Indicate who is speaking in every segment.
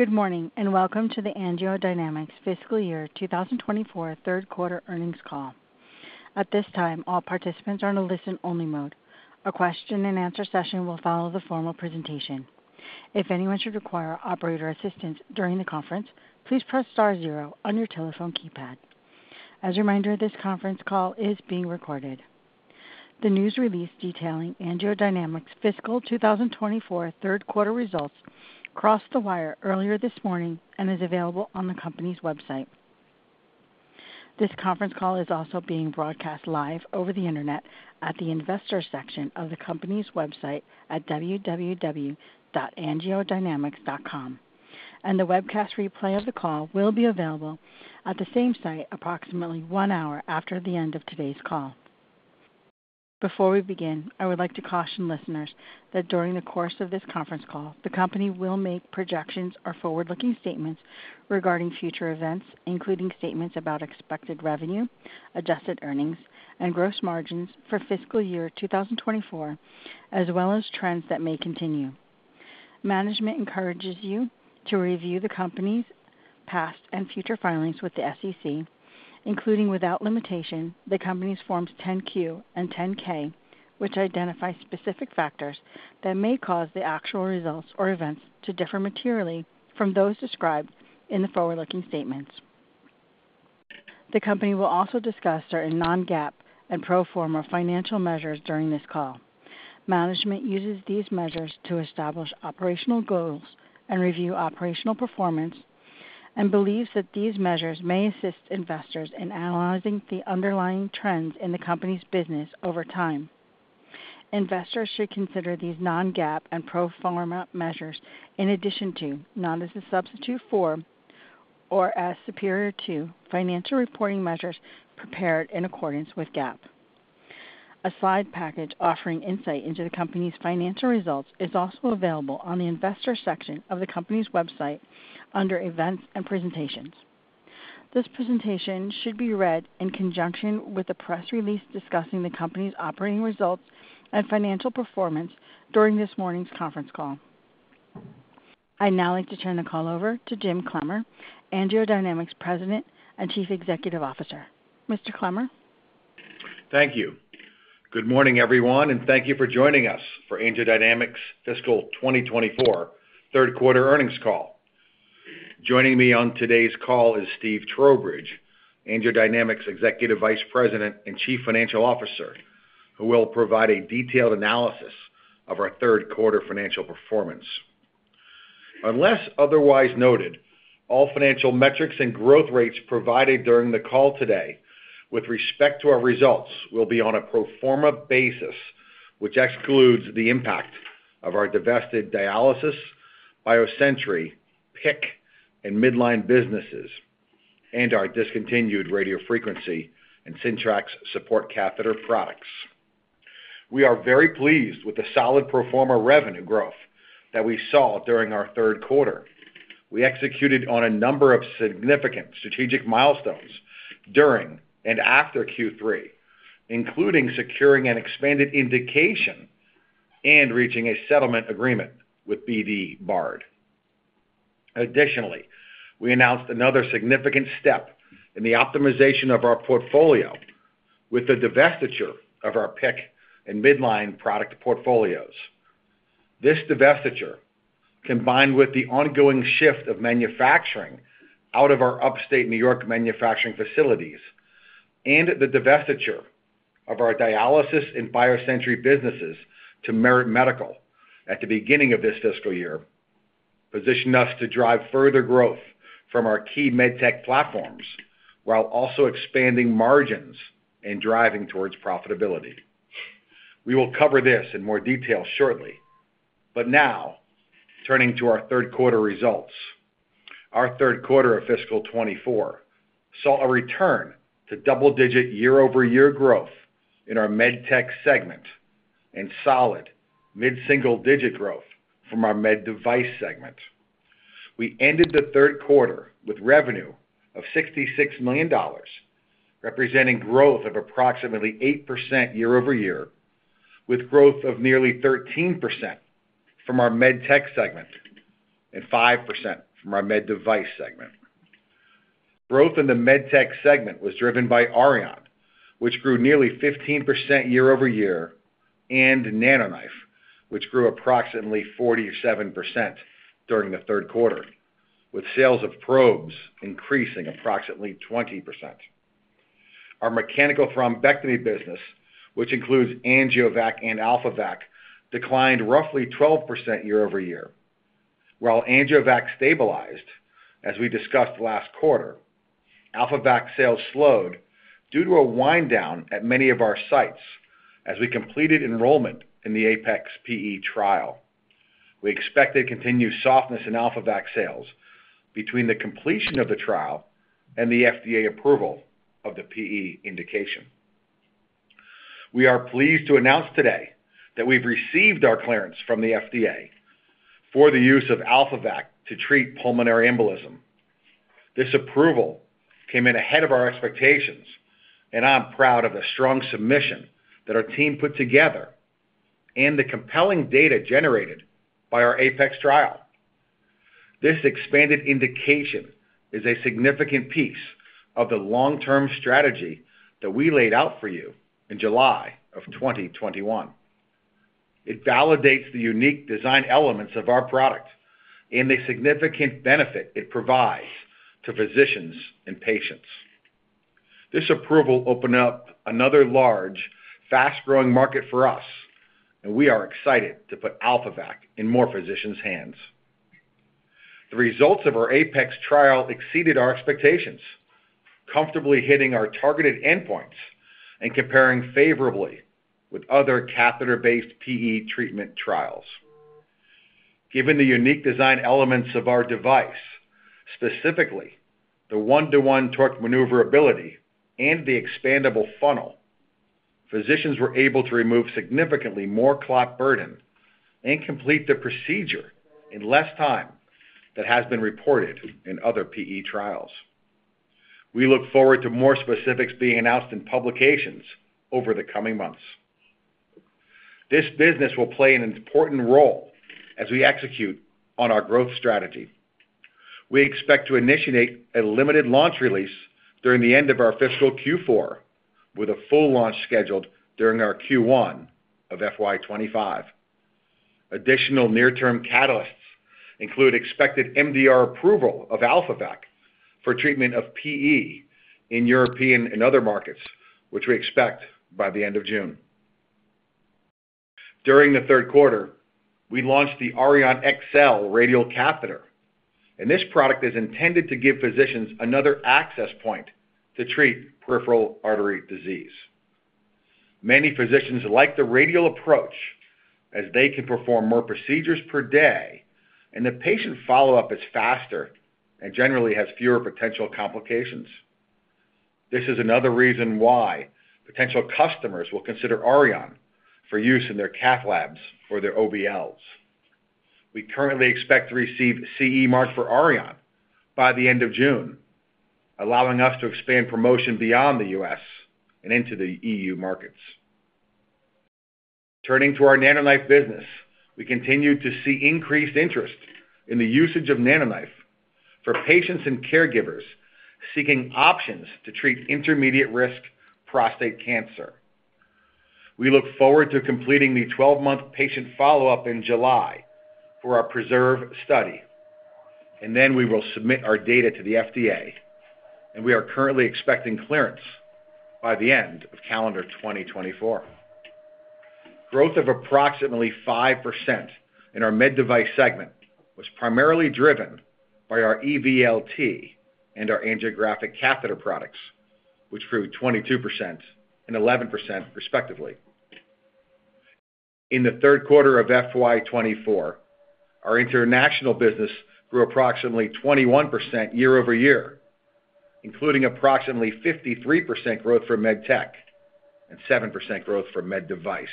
Speaker 1: Good morning and welcome to the AngioDynamics fiscal year 2024 third quarter earnings call. At this time, all participants are in a listen-only mode. A question-and-answer session will follow the formal presentation. If anyone should require operator assistance during the conference, please press star zero on your telephone keypad. As a reminder, this conference call is being recorded. The news release detailing AngioDynamics fiscal 2024 third quarter results crossed the wire earlier this morning and is available on the company's website. This conference call is also being broadcast live over the internet at the investor section of the company's website at www.angiodynamics.com, and the webcast replay of the call will be available at the same site approximately one hour after the end of today's call. Before we begin, I would like to caution listeners that during the course of this conference call, the company will make projections or forward-looking statements regarding future events, including statements about expected revenue, adjusted earnings, and gross margins for fiscal year 2024, as well as trends that may continue. Management encourages you to review the company's past and future filings with the SEC, including without limitation the company's forms 10-Q and 10-K, which identify specific factors that may cause the actual results or events to differ materially from those described in the forward-looking statements. The company will also discuss certain non-GAAP and pro forma financial measures during this call. Management uses these measures to establish operational goals and review operational performance, and believes that these measures may assist investors in analyzing the underlying trends in the company's business over time. Investors should consider these non-GAAP and pro forma measures in addition to, not as a substitute for or as superior to, financial reporting measures prepared in accordance with GAAP. A slide package offering insight into the company's financial results is also available on the investor section of the company's website under events and presentations. This presentation should be read in conjunction with a press release discussing the company's operating results and financial performance during this morning's conference call. I'd now like to turn the call over to Jim Clemmer, AngioDynamics President and Chief Executive Officer. Mr. Clemmer?
Speaker 2: Thank you. Good morning, everyone, and thank you for joining us for AngioDynamics fiscal 2024 third quarter earnings call. Joining me on today's call is Steve Trowbridge, AngioDynamics Executive Vice President and Chief Financial Officer, who will provide a detailed analysis of our third quarter financial performance. Unless otherwise noted, all financial metrics and growth rates provided during the call today with respect to our results will be on a pro forma basis, which excludes the impact of our divested dialysis, BioSentry, PICC, and Midline businesses, and our discontinued Radiofrequency and Syntrax support catheter products. We are very pleased with the solid pro forma revenue growth that we saw during our third quarter. We executed on a number of significant strategic milestones during and after Q3, including securing an expanded indication and reaching a settlement agreement with BD Bard. Additionally, we announced another significant step in the optimization of our portfolio with the divestiture of our PICC and Midline product portfolios. This divestiture, combined with the ongoing shift of manufacturing out of our Upstate New York manufacturing facilities and the divestiture of our dialysis and BioSentry businesses to Merit Medical at the beginning of this fiscal year, positioned us to drive further growth from our key medtech platforms while also expanding margins and driving towards profitability. We will cover this in more detail shortly, but now turning to our third quarter results. Our third quarter of fiscal 2024 saw a return to double-digit year-over-year growth in our medtech segment and solid mid-single-digit growth from our med-device segment. We ended the third quarter with revenue of $66 million, representing growth of approximately 8% year-over-year, with growth of nearly 13% from our medtech segment and 5% from our med-device segment. Growth in the medtech segment was driven by Orion, which grew nearly 15% year-over-year, and NanoKnife, which grew approximately 47% during the third quarter, with sales of probes increasing approximately 20%. Our mechanical thrombectomy business, which includes AngioVac and AlphaVac, declined roughly 12% year-over-year. While AngioVac stabilized, as we discussed last quarter, AlphaVac sales slowed due to a wind-down at many of our sites as we completed enrollment in the APEX PE trial. We expect to continue softness in AlphaVac sales between the completion of the trial and the FDA approval of the PE indication. We are pleased to announce today that we've received our clearance from the FDA for the use of AlphaVac to treat pulmonary embolism. This approval came in ahead of our expectations, and I'm proud of the strong submission that our team put together and the compelling data generated by our APEX trial. This expanded indication is a significant piece of the long-term strategy that we laid out for you in July of 2021. It validates the unique design elements of our product and the significant benefit it provides to physicians and patients. This approval opened up another large, fast-growing market for us, and we are excited to put AlphaVac in more physicians' hands. The results of our APEX trial exceeded our expectations, comfortably hitting our targeted endpoints and comparing favorably with other catheter-based PE treatment trials. Given the unique design elements of our device, specifically the one-to-one torque maneuverability and the expandable funnel, physicians were able to remove significantly more clot burden and complete the procedure in less time than has been reported in other PE trials. We look forward to more specifics being announced in publications over the coming months. This business will play an important role as we execute on our growth strategy. We expect to initiate a limited launch release during the end of our fiscal Q4, with a full launch scheduled during our Q1 of FY 2025. Additional near-term catalysts include expected MDR approval of AlphaVac for treatment of PE in European and other markets, which we expect by the end of June. During the third quarter, we launched the Orion XL radial catheter, and this product is intended to give physicians another access point to treat peripheral artery disease. Many physicians like the radial approach as they can perform more procedures per day, and the patient follow-up is faster and generally has fewer potential complications. This is another reason why potential customers will consider Orion for use in their cath labs or their OBLs. We currently expect to receive CE mark for Orion by the end of June, allowing us to expand promotion beyond the U.S. and into the EU markets. Turning to our NanoKnife business, we continue to see increased interest in the usage of NanoKnife for patients and caregivers seeking options to treat intermediate-risk prostate cancer. We look forward to completing the 12-month patient follow-up in July for our PRESERVE study, and then we will submit our data to the FDA, and we are currently expecting clearance by the end of calendar 2024. Growth of approximately 5% in our med-device segment was primarily driven by our EVLT and our angiographic catheter products, which grew 22% and 11%, respectively. In the third quarter of FY 2024, our international business grew approximately 21% year-over-year, including approximately 53% growth for medtech and 7% growth for med-device.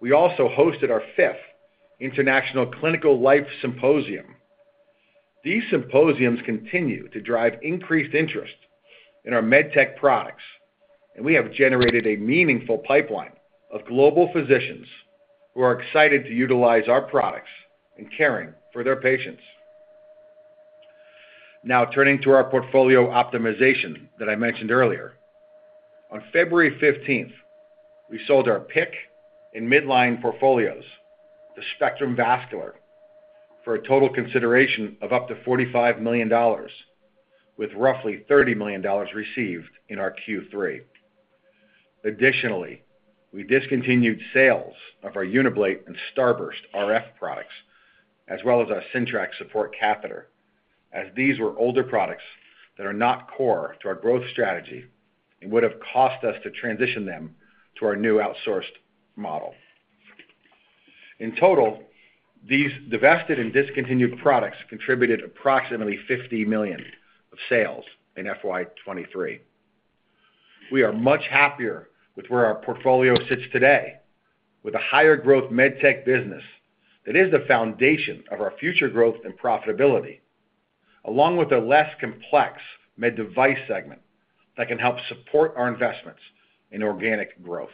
Speaker 2: We also hosted our fifth International Clinical Life Symposium. These symposiums continue to drive increased interest in our medtech products, and we have generated a meaningful pipeline of global physicians who are excited to utilize our products in caring for their patients. Now turning to our portfolio optimization that I mentioned earlier. On February 15th, we sold our PICC and Midline portfolios to Spectrum Vascular for a total consideration of up to $45 million, with roughly $30 million received in our Q3. Additionally, we discontinued sales of our Uniblate and Starburst RF products, as well as our Syntrax support catheter, as these were older products that are not core to our growth strategy and would have cost us to transition them to our new outsourced model. In total, these divested and discontinued products contributed approximately $50 million of sales in FY 2023. We are much happier with where our portfolio sits today, with a higher-growth medtech business that is the foundation of our future growth and profitability, along with a less complex med-device segment that can help support our investments in organic growth.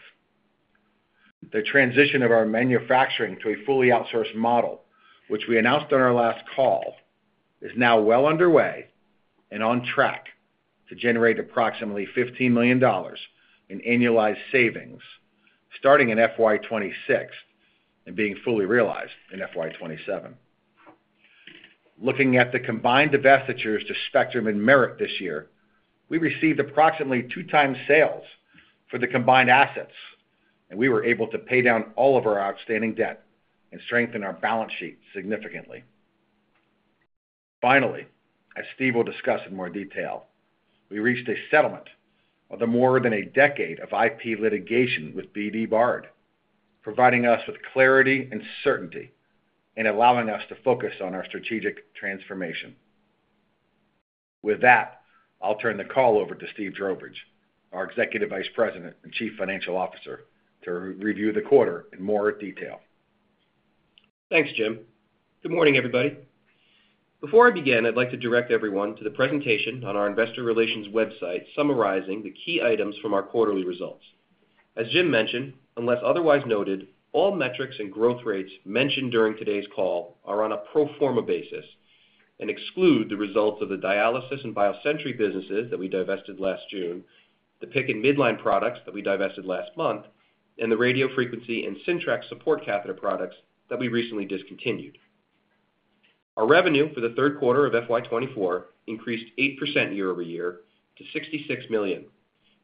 Speaker 2: The transition of our manufacturing to a fully outsourced model, which we announced on our last call, is now well underway and on track to generate approximately $15 million in annualized savings starting in FY 2026 and being fully realized in FY 2027. Looking at the combined divestitures to Spectrum and Merit this year, we received approximately 2x sales for the combined assets, and we were able to pay down all of our outstanding debt and strengthen our balance sheet significantly. Finally, as Steve will discuss in more detail, we reached a settlement of the more than a decade of IP litigation with BD Bard, providing us with clarity and certainty and allowing us to focus on our strategic transformation. With that, I'll turn the call over to Steve Trowbridge, our Executive Vice President and Chief Financial Officer, to review the quarter in more detail.
Speaker 3: Thanks, Jim. Good morning, everybody. Before I begin, I'd like to direct everyone to the presentation on our investor relations website summarizing the key items from our quarterly results. As Jim mentioned, unless otherwise noted, all metrics and growth rates mentioned during today's call are on a pro forma basis and exclude the results of the dialysis and BioSentry businesses that we divested last June, the PICC and Midline products that we divested last month, and the radiofrequency and Syntrax support catheter products that we recently discontinued. Our revenue for the third quarter of FY 2024 increased 8% year-over-year to $66 million,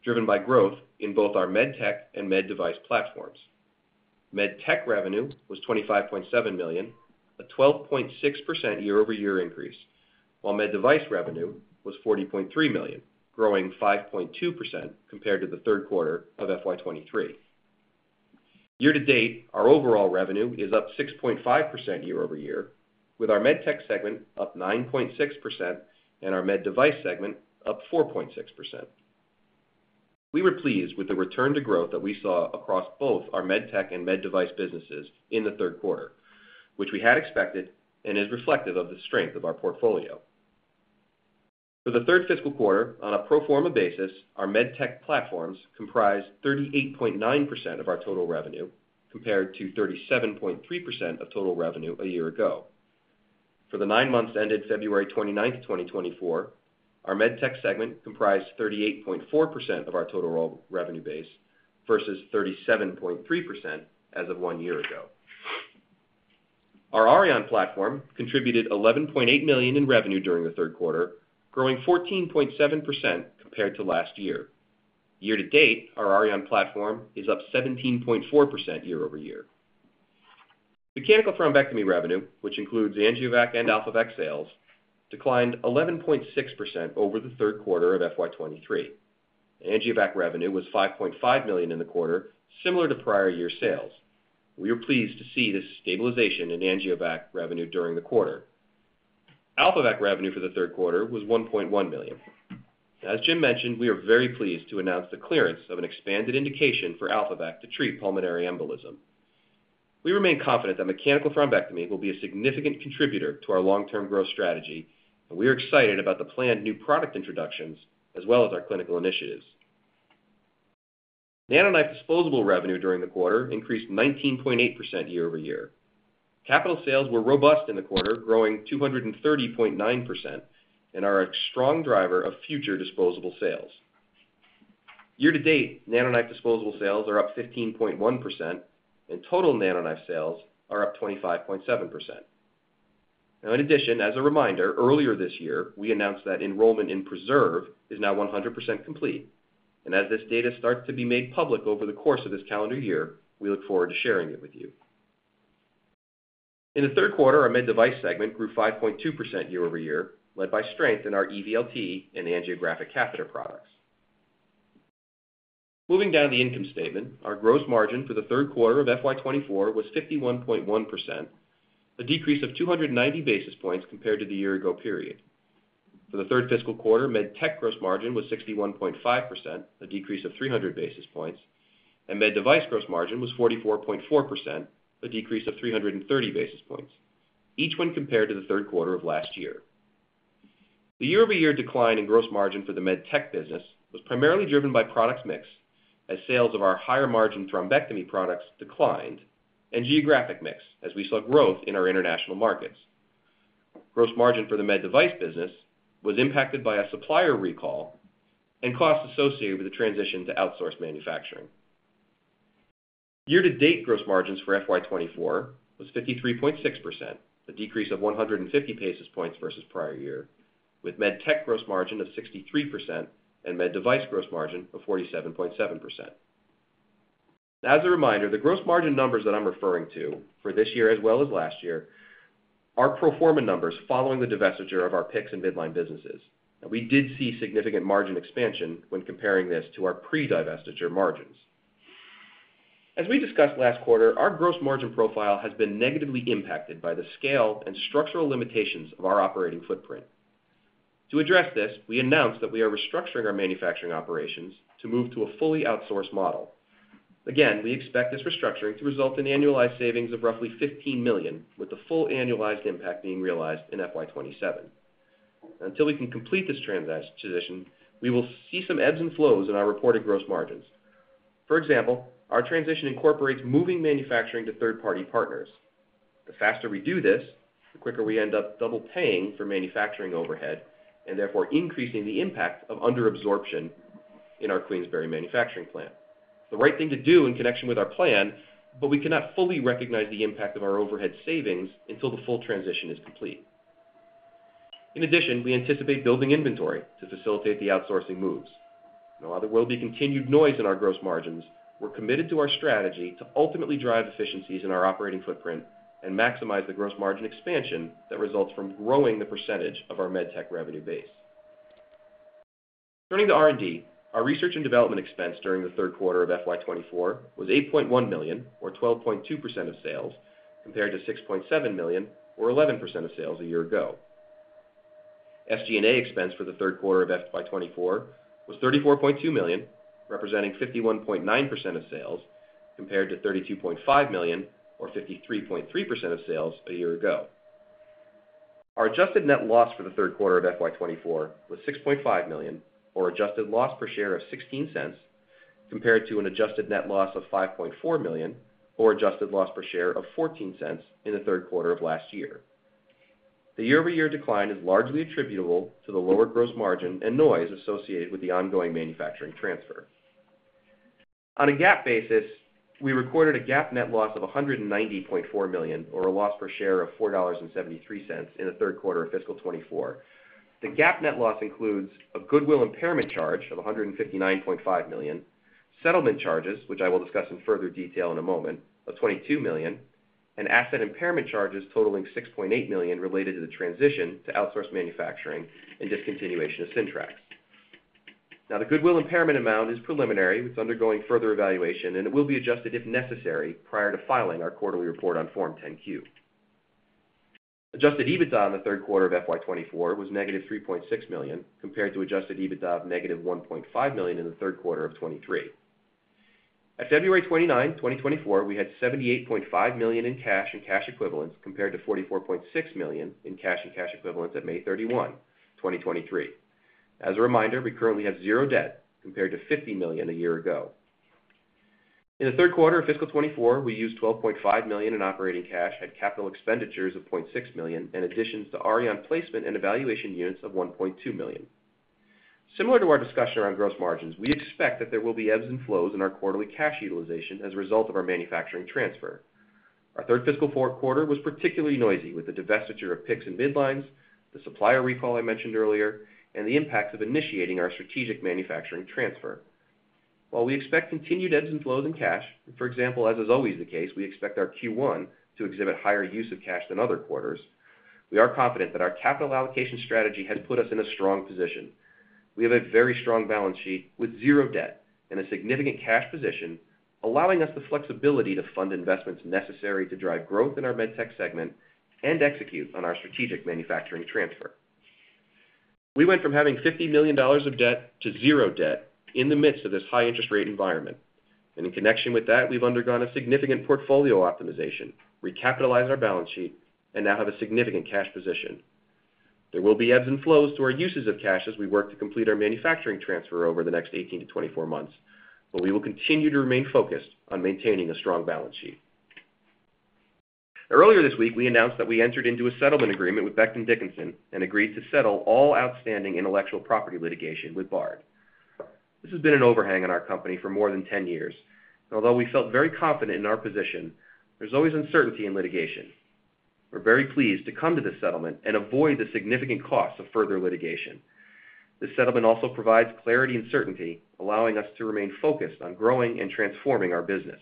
Speaker 3: driven by growth in both our medtech and med-device platforms. Medtech revenue was $25.7 million, a 12.6% year-over-year increase, while med-device revenue was $40.3 million, growing 5.2% compared to the third quarter of FY 2023. Year to date, our overall revenue is up 6.5% year-over-year, with our medtech segment up 9.6% and our med-device segment up 4.6%. We were pleased with the return to growth that we saw across both our medtech and med-device businesses in the third quarter, which we had expected and is reflective of the strength of our portfolio. For the third fiscal quarter, on a pro forma basis, our medtech platforms comprised 38.9% of our total revenue compared to 37.3% of total revenue a year ago. For the nine months ended February 29th, 2024, our medtech segment comprised 38.4% of our total revenue base versus 37.3% as of one year ago. Our Orion platform contributed $11.8 million in revenue during the third quarter, growing 14.7% compared to last year. Year to date, our Orion platform is up 17.4% year-over-year. Mechanical thrombectomy revenue, which includes AngioVac and AlphaVac sales, declined 11.6% over the third quarter of FY 2023. AngioVac revenue was $5.5 million in the quarter, similar to prior year sales. We were pleased to see this stabilization in AngioVac revenue during the quarter. AlphaVac revenue for the third quarter was $1.1 million. As Jim mentioned, we are very pleased to announce the clearance of an expanded indication for AlphaVac to treat pulmonary embolism. We remain confident that mechanical thrombectomy will be a significant contributor to our long-term growth strategy, and we are excited about the planned new product introductions as well as our clinical initiatives. NanoKnife disposable revenue during the quarter increased 19.8% year-over-year. Capital sales were robust in the quarter, growing 230.9% and are a strong driver of future disposable sales. Year to date, NanoKnife disposable sales are up 15.1%, and total NanoKnife sales are up 25.7%. Now, in addition, as a reminder, earlier this year we announced that enrollment in PRESERVE is now 100% complete, and as this data starts to be made public over the course of this calendar year, we look forward to sharing it with you. In the third quarter, our med-device segment grew 5.2% year-over-year, led by strength in our EVLT and angiographic catheter products. Moving down the income statement, our gross margin for the third quarter of FY 2024 was 51.1%, a decrease of 290 basis points compared to the year-ago period. For the third fiscal quarter, medtech gross margin was 61.5%, a decrease of 300 basis points, and med-device gross margin was 44.4%, a decrease of 330 basis points, each one compared to the third quarter of last year. The year-over-year decline in gross margin for the medtech business was primarily driven by product mix as sales of our higher-margin thrombectomy products declined and geographic mix as we saw growth in our international markets. Gross margin for the med-device business was impacted by a supplier recall and costs associated with the transition to outsource manufacturing. Year to date, gross margins for FY 2024 was 53.6%, a decrease of 150 basis points versus prior year, with medtech gross margin of 63% and med-device gross margin of 47.7%. As a reminder, the gross margin numbers that I'm referring to for this year as well as last year are pro forma numbers following the divestiture of our PICCs and Midline businesses, and we did see significant margin expansion when comparing this to our pre-divestiture margins. As we discussed last quarter, our gross margin profile has been negatively impacted by the scale and structural limitations of our operating footprint. To address this, we announced that we are restructuring our manufacturing operations to move to a fully outsourced model. Again, we expect this restructuring to result in annualized savings of roughly $15 million, with the full annualized impact being realized in FY 2027. Until we can complete this transition, we will see some ebbs and flows in our reported gross margins. For example, our transition incorporates moving manufacturing to third-party partners. The faster we do this, the quicker we end up double paying for manufacturing overhead and therefore increasing the impact of underabsorption in our Queensbury manufacturing plant. It's the right thing to do in connection with our plan, but we cannot fully recognize the impact of our overhead savings until the full transition is complete. In addition, we anticipate building inventory to facilitate the outsourcing moves. However, there will be continued noise in our gross margins. We're committed to our strategy to ultimately drive efficiencies in our operating footprint and maximize the gross margin expansion that results from growing the percentage of our medtech revenue base. Turning to R&D, our research and development expense during the third quarter of FY 2024 was $8.1 million, or 12.2% of sales, compared to $6.7 million, or 11% of sales a year ago. SG&A expense for the third quarter of FY 2024 was $34.2 million, representing 51.9% of sales compared to $32.5 million, or 53.3% of sales a year ago. Our adjusted net loss for the third quarter of FY 2024 was $6.5 million, or adjusted loss per share of $0.16, compared to an adjusted net loss of $5.4 million, or adjusted loss per share of $0.14 in the third quarter of last year. The year-over-year decline is largely attributable to the lower gross margin and noise associated with the ongoing manufacturing transfer. On a GAAP basis, we recorded a GAAP net loss of $190.4 million, or a loss per share of $4.73 in the third quarter of fiscal 2024. The GAAP net loss includes a goodwill impairment charge of $159.5 million, settlement charges, which I will discuss in further detail in a moment, of $22 million, and asset impairment charges totaling $6.8 million related to the transition to outsource manufacturing and discontinuation of Syntrax. Now, the goodwill impairment amount is preliminary. It's undergoing further evaluation, and it will be adjusted if necessary prior to filing our quarterly report on Form 10-Q. Adjusted EBITDA in the third quarter of FY 2024 was -$3.6 million compared to adjusted EBITDA of -$1.5 million in the third quarter of 2023. At February 29, 2024, we had $78.5 million in cash and cash equivalents compared to $44.6 million in cash and cash equivalents at May 31, 2023. As a reminder, we currently have zero debt compared to $50 million a year ago. In the third quarter of fiscal 2024, we used $12.5 million in operating cash, had capital expenditures of $0.6 million, and additions to Orion placement and evaluation units of $1.2 million. Similar to our discussion around gross margins, we expect that there will be ebbs and flows in our quarterly cash utilization as a result of our manufacturing transfer. Our third fiscal quarter was particularly noisy with the divestiture of PICCs and Midlines, the supplier recall I mentioned earlier, and the impacts of initiating our strategic manufacturing transfer. While we expect continued ebbs and flows in cash, for example, as is always the case, we expect our Q1 to exhibit higher use of cash than other quarters. We are confident that our capital allocation strategy has put us in a strong position. We have a very strong balance sheet with zero debt and a significant cash position allowing us the flexibility to fund investments necessary to drive growth in our medtech segment and execute on our strategic manufacturing transfer. We went from having $50 million of debt to zero debt in the midst of this high-interest rate environment, and in connection with that, we've undergone a significant portfolio optimization, recapitalized our balance sheet, and now have a significant cash position. There will be ebbs and flows to our uses of cash as we work to complete our manufacturing transfer over the next 18-24 months, but we will continue to remain focused on maintaining a strong balance sheet. Earlier this week, we announced that we entered into a settlement agreement with Becton Dickinson and agreed to settle all outstanding intellectual property litigation with Bard. This has been an overhang in our company for more than 10 years, and although we felt very confident in our position, there's always uncertainty in litigation. We're very pleased to come to this settlement and avoid the significant costs of further litigation. This settlement also provides clarity and certainty, allowing us to remain focused on growing and transforming our business.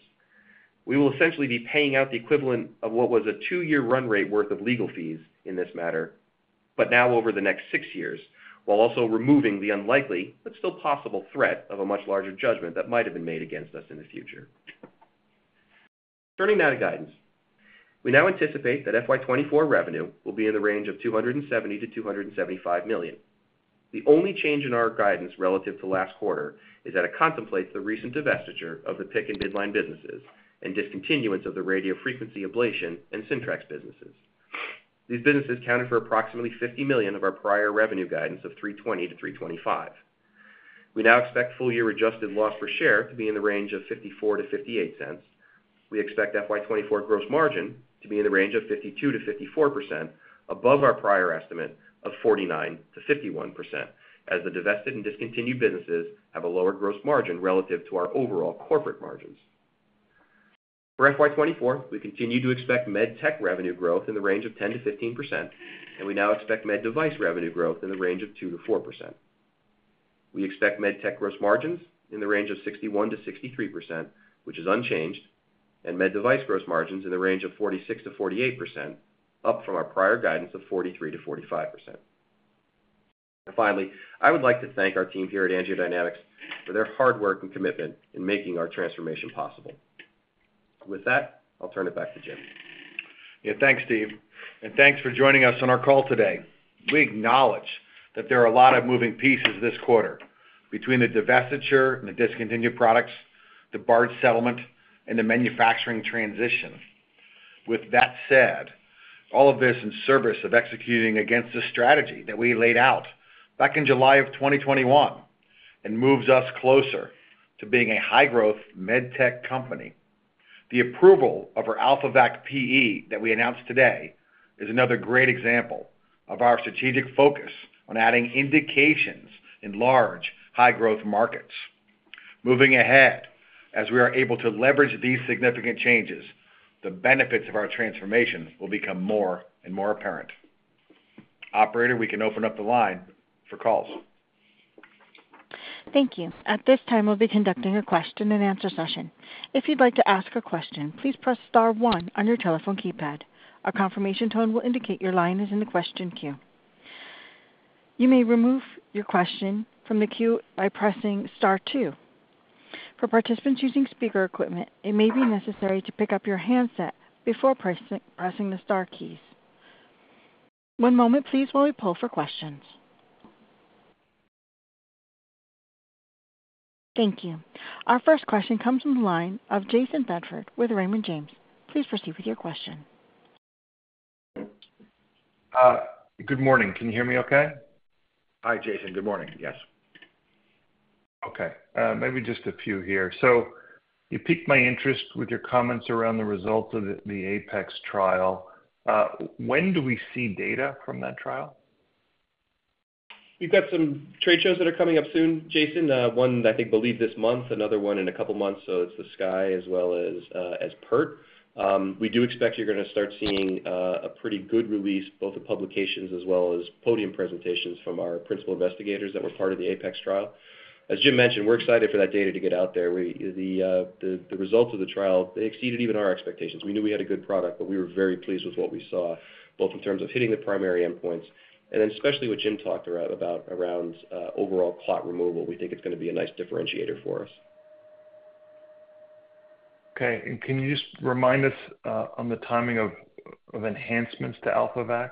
Speaker 3: We will essentially be paying out the equivalent of what was a 2-year run rate worth of legal fees in this matter, but now over the next six years, while also removing the unlikely but still possible threat of a much larger judgment that might have been made against us in the future. Turning now to guidance, we now anticipate that FY 2024 revenue will be in the range of $270 million-$275 million. The only change in our guidance relative to last quarter is that it contemplates the recent divestiture of the PICC and Midline businesses and discontinuance of the radiofrequency ablation and Syntrax businesses. These businesses accounted for approximately $50 million of our prior revenue guidance of $320 million-$325 million. We now expect full-year adjusted loss per share to be in the range of $0.54-$0.58. We expect FY 2024 gross margin to be in the range of 52%-54% above our prior estimate of 49%-51% as the divested and discontinued businesses have a lower gross margin relative to our overall corporate margins. For FY 2024, we continue to expect medtech revenue growth in the range of 10%-15%, and we now expect med-device revenue growth in the range of 2%-4%. We expect medtech gross margins in the range of 61%-63%, which is unchanged, and med-device gross margins in the range of 46%-48%, up from our prior guidance of 43%-45%. Finally, I would like to thank our team here at AngioDynamics for their hard work and commitment in making our transformation possible. With that, I'll turn it back to Jim.
Speaker 2: Yeah, thanks, Steve. And thanks for joining us on our call today. We acknowledge that there are a lot of moving pieces this quarter between the divestiture and the discontinued products, the Bard settlement, and the manufacturing transition. With that said, all of this in service of executing against the strategy that we laid out back in July of 2021 and moves us closer to being a high-growth medtech company. The approval of our AlphaVac PE that we announced today is another great example of our strategic focus on adding indications in large, high-growth markets. Moving ahead, as we are able to leverage these significant changes, the benefits of our transformation will become more and more apparent. Operator, we can open up the line for calls.
Speaker 1: Thank you. At this time, we'll be conducting a question-and-answer session. If you'd like to ask a question, please press star one on your telephone keypad. Our confirmation tone will indicate your line is in the question queue. You may remove your question from the queue by pressing star two. For participants using speaker equipment, it may be necessary to pick up your handset before pressing the star keys. One moment, please, while we pull for questions. Thank you. Our first question comes from the line of Jayson Bedford with Raymond James. Please proceed with your question.
Speaker 4: Good morning. Can you hear me okay?
Speaker 3: Hi, Jayson. Good morning. Yes.
Speaker 4: Okay. Maybe just a few here. So you piqued my interest with your comments around the results of the APEX trial. When do we see data from that trial?
Speaker 3: We've got some trade shows that are coming up soon, Jayson. One that I think this month, another one in a couple months. So it's the SCAI as well as PERT. We do expect you're going to start seeing a pretty good release, both of publications as well as podium presentations from our principal investigators that were part of the APEX trial. As Jim mentioned, we're excited for that data to get out there. The results of the trial, they exceeded even our expectations. We knew we had a good product, but we were very pleased with what we saw, both in terms of hitting the primary endpoints and then especially what Jim talked about around overall clot removal. We think it's going to be a nice differentiator for us.
Speaker 4: Okay. And can you just remind us on the timing of enhancements to AlphaVac?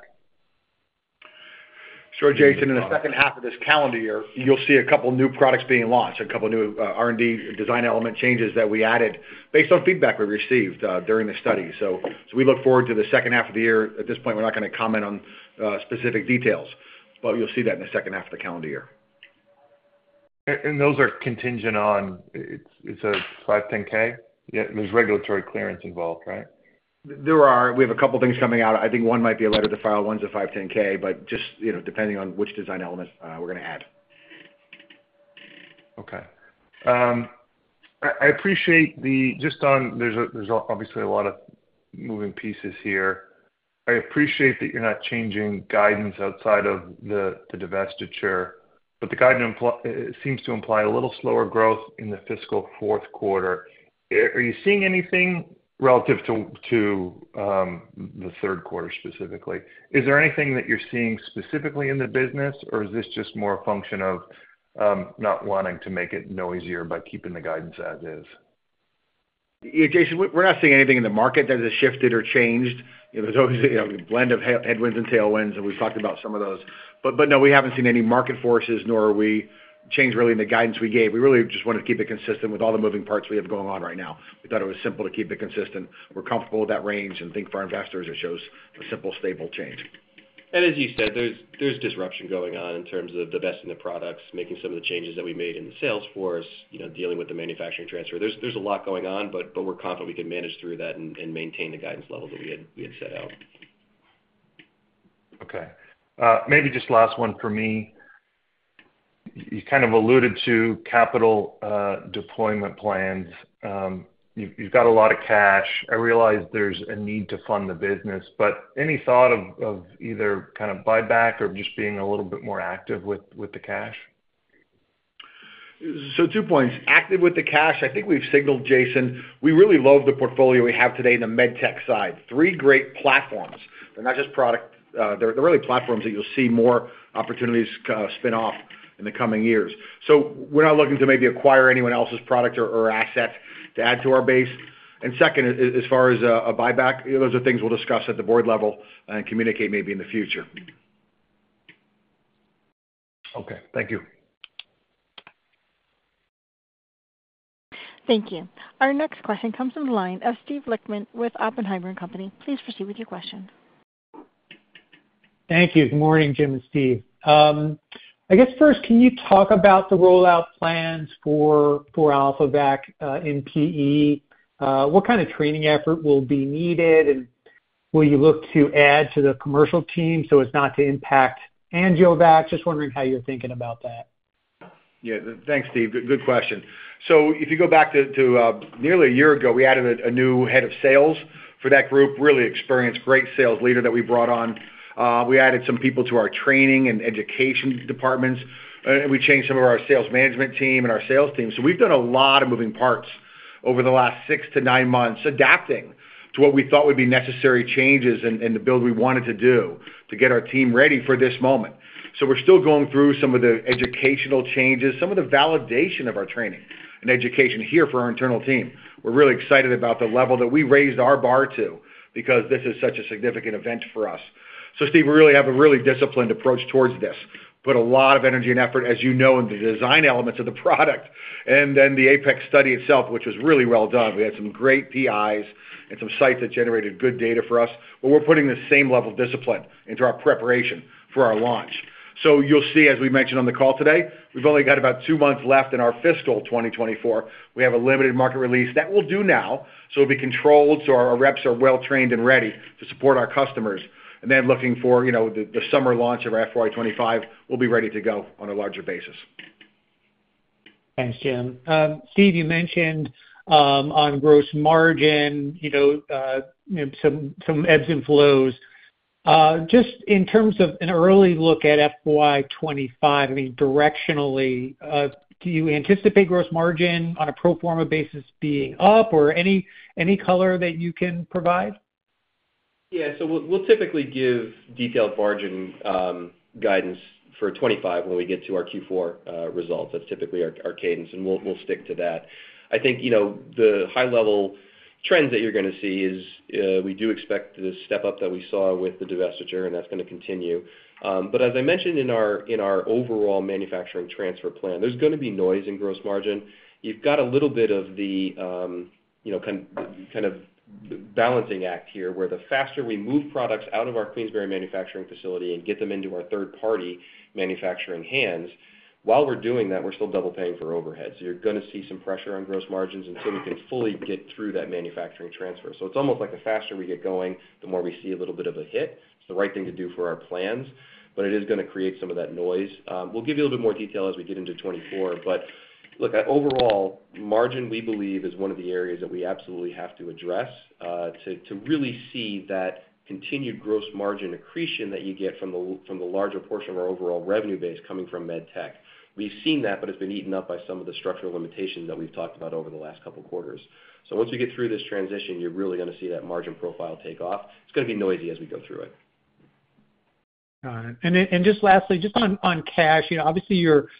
Speaker 2: Sure, Jayson. In the second half of this calendar year, you'll see a couple new products being launched, a couple new R&D design element changes that we added based on feedback we received during the study. So we look forward to the second half of the year. At this point, we're not going to comment on specific details, but you'll see that in the second half of the calendar year.
Speaker 4: Those are contingent on it's a 510(k)? There's regulatory clearance involved, right?
Speaker 2: There are. We have a couple things coming out. I think one might be a letter to file. One's a 510(k), but just depending on which design element we're going to add.
Speaker 4: Okay. I appreciate the question on. There's obviously a lot of moving pieces here. I appreciate that you're not changing guidance outside of the divestiture, but the guidance seems to imply a little slower growth in the fiscal fourth quarter. Are you seeing anything relative to the third quarter specifically? Is there anything that you're seeing specifically in the business, or is this just more a function of not wanting to make it noisier by keeping the guidance as is?
Speaker 2: Jayson, we're not seeing anything in the market that has shifted or changed. There's always a blend of headwinds and tailwinds, and we've talked about some of those. But no, we haven't seen any market forces, nor are we changing really in the guidance we gave. We really just wanted to keep it consistent with all the moving parts we have going on right now. We thought it was simple to keep it consistent. We're comfortable with that range, and I think for our investors, it shows a simple, stable change.
Speaker 3: As you said, there's disruption going on in terms of divesting the products, making some of the changes that we made in the sales force, dealing with the manufacturing transfer. There's a lot going on, but we're confident we can manage through that and maintain the guidance levels that we had set out.
Speaker 4: Okay. Maybe just last one for me. You kind of alluded to capital deployment plans. You've got a lot of cash. I realize there's a need to fund the business, but any thought of either kind of buyback or just being a little bit more active with the cash?
Speaker 2: So two points. Active with the cash, I think we've signaled, Jayson. We really love the portfolio we have today in the medtech side. Three great platforms. They're not just product. They're really platforms that you'll see more opportunities spin off in the coming years. So we're not looking to maybe acquire anyone else's product or assets to add to our base. And second, as far as a buyback, those are things we'll discuss at the board level and communicate maybe in the future.
Speaker 4: Okay. Thank you.
Speaker 1: Thank you. Our next question comes from the line of Steve Lichtman with Oppenheimer & Company. Please proceed with your question.
Speaker 5: Thank you. Good morning, Jim and Steve. I guess first, can you talk about the rollout plans for AlphaVac in PE? What kind of training effort will be needed, and will you look to add to the commercial team so it's not to impact AngioVac? Just wondering how you're thinking about that.
Speaker 2: Yeah. Thanks, Steve. Good question. So if you go back to nearly a year ago, we added a new head of sales for that group, really experienced, great sales leader that we brought on. We added some people to our training and education departments, and we changed some of our sales management team and our sales team. So we've done a lot of moving parts over the last 6-9 months, adapting to what we thought would be necessary changes in the build we wanted to do to get our team ready for this moment. So we're still going through some of the educational changes, some of the validation of our training and education here for our internal team. We're really excited about the level that we raised our bar to because this is such a significant event for us. So Steve, we really have a really disciplined approach towards this. Put a lot of energy and effort, as you know, in the design elements of the product and then the APEX study itself, which was really well done. We had some great PIs and some sites that generated good data for us. But we're putting the same level of discipline into our preparation for our launch. So you'll see, as we mentioned on the call today, we've only got about two months left in our fiscal 2024. We have a limited market release that we'll do now. So it'll be controlled so our reps are well-trained and ready to support our customers. And then looking for the summer launch of our FY 2025, we'll be ready to go on a larger basis.
Speaker 5: Thanks, Jim. Steve, you mentioned on gross margin, some ebbs and flows. Just in terms of an early look at FY 2025, I mean, directionally, do you anticipate gross margin on a pro forma basis being up or any color that you can provide?
Speaker 3: Yeah. So we'll typically give detailed margin guidance for 2025 when we get to our Q4 results. That's typically our cadence, and we'll stick to that. I think the high-level trends that you're going to see is we do expect the step-up that we saw with the divestiture, and that's going to continue. But as I mentioned in our overall manufacturing transfer plan, there's going to be noise in gross margin. You've got a little bit of the kind of balancing act here where the faster we move products out of our Queensbury manufacturing facility and get them into our third-party manufacturing hands, while we're doing that, we're still double-paying for overhead. So you're going to see some pressure on gross margins until we can fully get through that manufacturing transfer. So it's almost like the faster we get going, the more we see a little bit of a hit. It's the right thing to do for our plans, but it is going to create some of that noise. We'll give you a little bit more detail as we get into 2024. But look, overall, margin, we believe, is one of the areas that we absolutely have to address to really see that continued gross margin accretion that you get from the larger portion of our overall revenue base coming from medtech. We've seen that, but it's been eaten up by some of the structural limitations that we've talked about over the last couple quarters. So once we get through this transition, you're really going to see that margin profile take off. It's going to be noisy as we go through it.
Speaker 5: Got it. And just lastly, just on cash, obviously, you're clear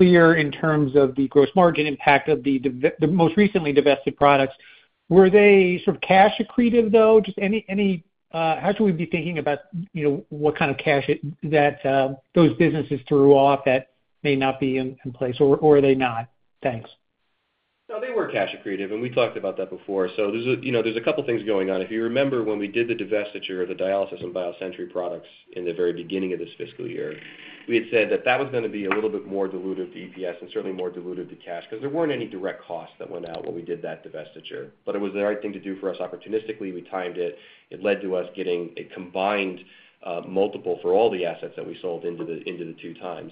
Speaker 5: in terms of the gross margin impact of the most recently divested products. Were they sort of cash accretive, though? How should we be thinking about what kind of cash those businesses threw off that may not be in place, or are they not? Thanks.
Speaker 2: No, they were cash accretive, and we talked about that before. So there's a couple things going on. If you remember when we did the divestiture of the dialysis and BioSentry products in the very beginning of this fiscal year, we had said that that was going to be a little bit more diluted to EPS and certainly more diluted to cash because there weren't any direct costs that went out when we did that divestiture. But it was the right thing to do for us opportunistically. We timed it. It led to us getting a combined multiple for all the assets that we sold into the 2x.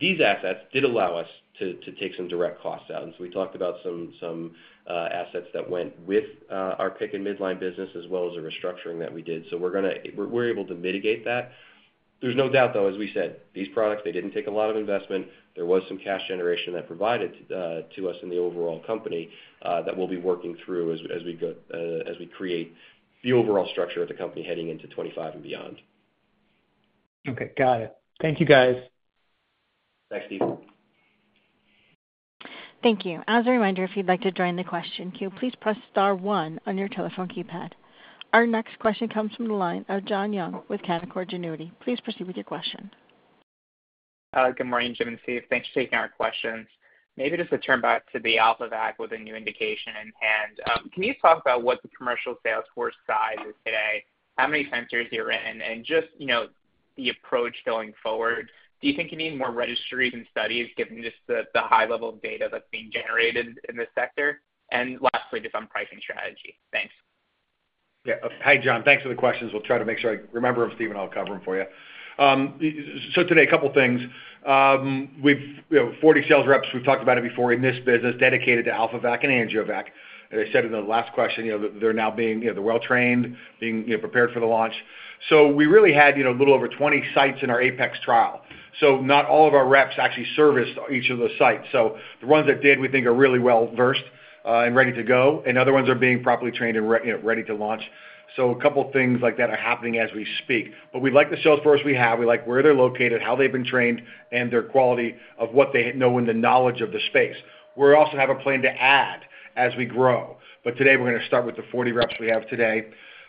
Speaker 2: These assets did allow us to take some direct costs out. And so we talked about some assets that went with our PICC and Midline business as well as the restructuring that we did. So we're able to mitigate that. There's no doubt, though, as we said, these products, they didn't take a lot of investment. There was some cash generation that provided to us in the overall company that we'll be working through as we create the overall structure of the company heading into 2025 and beyond.
Speaker 5: Okay. Got it. Thank you, guys.
Speaker 2: Thanks, Steve.
Speaker 1: Thank you. As a reminder, if you'd like to join the question queue, please press star one on your telephone keypad. Our next question comes from the line of Jon Young with Canaccord Genuity. Please proceed with your question.
Speaker 6: Good morning, Jim and Steve. Thanks for taking our questions. Maybe just to turn back to the AlphaVac with a new indication in hand, can you talk about what the commercial sales force size is today, how many centers you're in, and just the approach going forward? Do you think you need more registries and studies given just the high-level data that's being generated in the sector? And lastly, just on pricing strategy. Thanks.
Speaker 2: Yeah. Hey, Jon. Thanks for the questions. We'll try to make sure I remember them, Steve, and I'll cover them for you. So today, a couple things. We have 40 sales reps. We've talked about it before in this business dedicated to AlphaVac and AngioVac. As I said in the last question, they're now being well-trained, being prepared for the launch. So we really had a little over 20 sites in our APEX trial. So not all of our reps actually serviced each of those sites. So the ones that did, we think, are really well-versed and ready to go, and other ones are being properly trained and ready to launch. So a couple things like that are happening as we speak. But we like the sales force we have. We like where they're located, how they've been trained, and their quality of what they know and the knowledge of the space. We also have a plan to add as we grow. But today, we're going to start with the 40 reps we have today.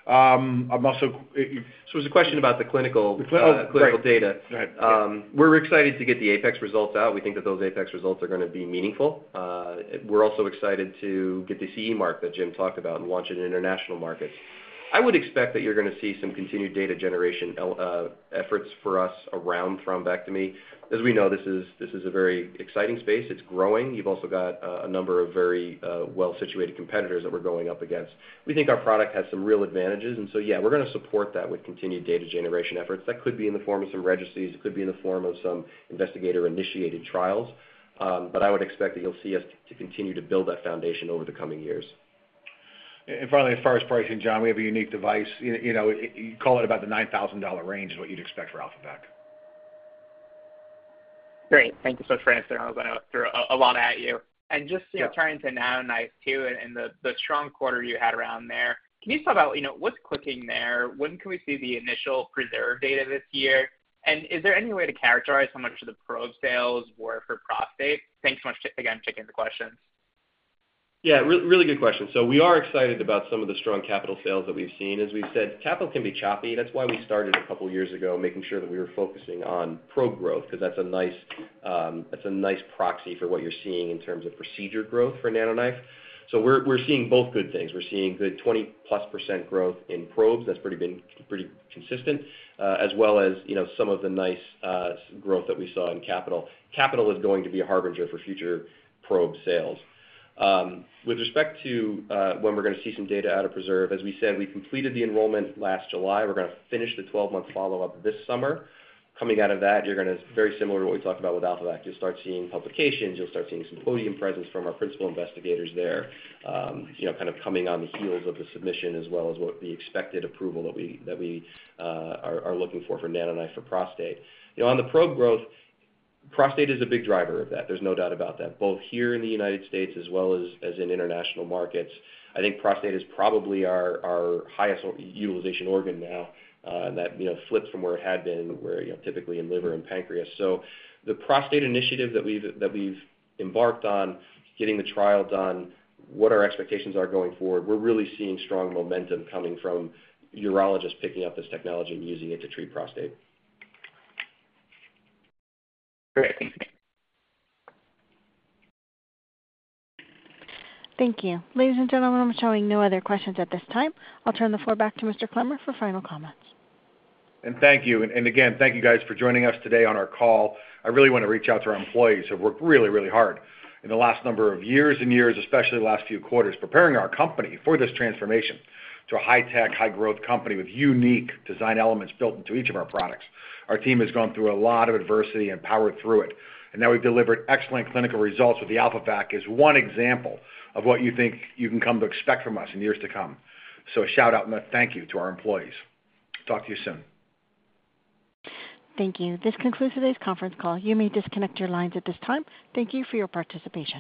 Speaker 2: I'm also.
Speaker 3: It was a question about the clinical data.
Speaker 2: Oh, go ahead.
Speaker 3: We're excited to get the APEX results out. We think that those APEX results are going to be meaningful. We're also excited to get the CE mark that Jim talked about and launch in international markets. I would expect that you're going to see some continued data generation efforts for us around thrombectomy. As we know, this is a very exciting space. It's growing. You've also got a number of very well-situated competitors that we're going up against. We think our product has some real advantages. And so yeah, we're going to support that with continued data generation efforts. That could be in the form of some registries. It could be in the form of some investigator-initiated trials. But I would expect that you'll see us continue to build that foundation over the coming years.
Speaker 2: Finally, as far as pricing, Jon, we have a unique device. You call it about the $9,000 range is what you'd expect for AlphaVac.
Speaker 6: Great. Thank you so much. I know I threw a lot at you. And just trying to NanoKnife Q in the strong quarter you had around there, can you just talk about what's clicking there? When can we see the initial PRESERVE data this year? And is there any way to characterize how much of the probe sales were for prostate? Thanks so much, again, for taking the questions.
Speaker 3: Yeah. Really good question. So we are excited about some of the strong capital sales that we've seen. As we've said, capital can be choppy. That's why we started a couple years ago making sure that we were focusing on probe growth because that's a nice proxy for what you're seeing in terms of procedure growth for NanoKnife. So we're seeing both good things. We're seeing good 20%+ growth in probes. That's pretty consistent, as well as some of the nice growth that we saw in capital. Capital is going to be a harbinger for future probe sales. With respect to when we're going to see some data out of PRESERVE, as we said, we completed the enrollment last July. We're going to finish the 12-month follow-up this summer. Coming out of that, you're going to very similar to what we talked about with AlphaVac, you'll start seeing publications. You'll start seeing symposium presence from our principal investigators there kind of coming on the heels of the submission as well as the expected approval that we are looking for for NanoKnife for prostate. On the probe growth, prostate is a big driver of that. There's no doubt about that, both here in the United States as well as in international markets. I think prostate is probably our highest utilization organ now. That flips from where it had been, where typically in liver and pancreas. So the prostate initiative that we've embarked on, getting the trial done, what our expectations are going forward, we're really seeing strong momentum coming from urologists picking up this technology and using it to treat prostate.
Speaker 6: Great. Thanks, Steve.
Speaker 1: Thank you. Ladies and gentlemen, I'm showing no other questions at this time. I'll turn the floor back to Mr. Clemmer for final comments.
Speaker 2: Thank you. Again, thank you, guys, for joining us today on our call. I really want to reach out to our employees who have worked really, really hard in the last number of years and years, especially the last few quarters, preparing our company for this transformation to a high-tech, high-growth company with unique design elements built into each of our products. Our team has gone through a lot of adversity and powered through it. Now we've delivered excellent clinical results with the AlphaVac is one example of what you think you can come to expect from us in years to come. A shout-out and a thank you to our employees. Talk to you soon.
Speaker 1: Thank you. This concludes today's conference call. You may disconnect your lines at this time. Thank you for your participation.